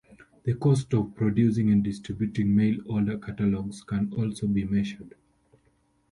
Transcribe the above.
The costs of producing and distributing mail-order catalogs can also be measured.